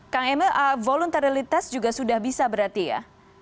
kang emil voluntarilitas juga sudah bisa berarti ya